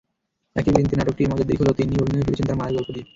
একই বৃন্তে নাটকটির মজার দিক হলো, তিন্নি অভিনয়ে ফিরছেন তাঁর মায়ের গল্প দিয়ে।